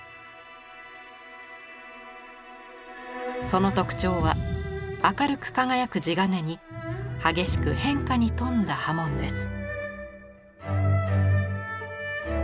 その特徴は明るく輝く地鉄に激しく変化に富んだ刃文です。